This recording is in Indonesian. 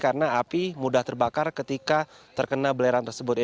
karena api mudah terbakar ketika terkena belerang tersebut